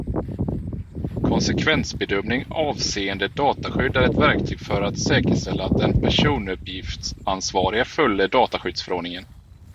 Konsekvensbedömning avseende dataskydd är ett verktyg för att säkerställa att den personuppgiftsansvarige följer dataskyddsförordningen.